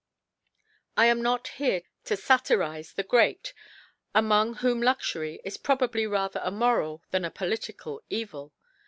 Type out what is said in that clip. I am not here to fatirize the Great, aniong whom Luxury is probably rather a moral than a political Evil.